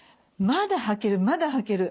まだはける。